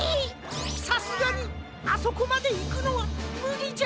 さすがにあそこまでいくのはむりじゃ。